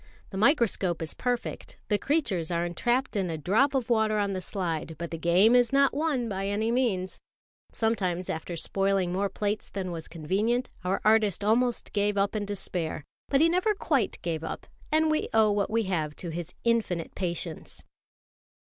The microscope is perfect, the creatures are entrapped in a drop of water on the slide; but the game is not won by any means. Sometimes, after spoiling more plates than was convenient, our artist almost gave up in despair; but he never quite gave up, and we owe what we have to his infinite patience.